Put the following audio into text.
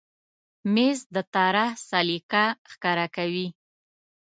مېز د طراح سلیقه ښکاره کوي.